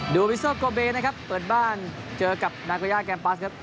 วิโซโกเบนะครับเปิดบ้านเจอกับนาโกย่าแกมปัสครับ